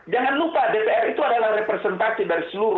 jangan lupa dpr itu adalah representasi dari seluruh